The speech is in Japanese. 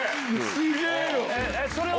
すげぇよ！